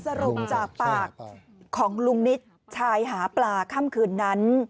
สรุปจากปากของลุงนิดชายหาปลาค่ำคืนนั้น